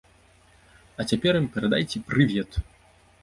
А цяпер ім перадайце прывет.